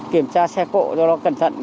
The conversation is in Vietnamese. kiểm tra xe cộ cho nó cẩn thận